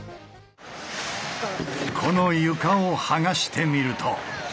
この床を剥がしてみると。